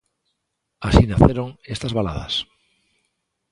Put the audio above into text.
Así naceron estas Baladas.